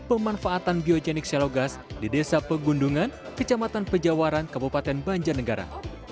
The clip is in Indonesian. pemanfaatan biogenik shallow gas di desa pegundungan kecamatan pejawaran kabupaten banjarnegara